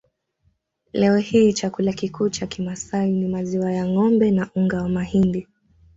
Leo hii chakula kikuu cha Kimasai ni maziwa ya ngombe na unga wa mahindi